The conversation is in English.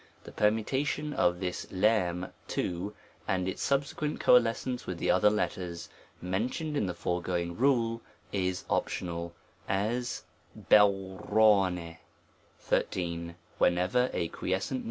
The permutation of this J, to, and its subsequent coalescence with the other letters, mentioned in the foregoing rule, is optional ;^ u'ji/, XIII. WHENEVER a quiescent ^.